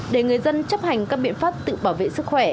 để người dân chấp hành các biện pháp tự bảo vệ sức khỏe